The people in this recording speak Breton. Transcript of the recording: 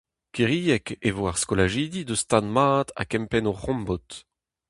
Kiriek e vo ar skolajidi eus stad mat ha kempenn o c'hombod.